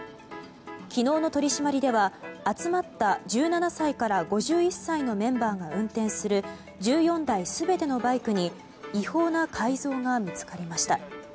昨日の取り締まりでは集まった、１７歳から５１歳のメンバーが運転する１４台全てのバイクに違法な改造が見つかりました。